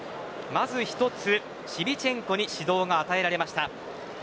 まず１つシビチェンコに指導が与えられました。